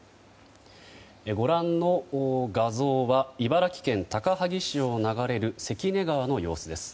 ご覧の画像は茨城県高萩市を流れる関根川の様子です。